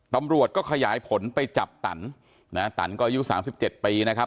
ตำรวจก็ขยายผลไปจับตัำนะตัำก็อายุสามสิบเจ็ดปีนะครับ